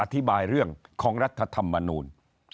อธิบายเรื่องของรัฐธรรมนูล